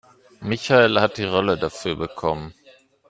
Michael hat die Rolle dafür bekommen.